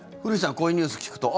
こういうニュース聞くとあ！